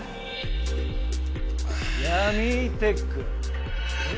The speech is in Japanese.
「ヤミーテック」。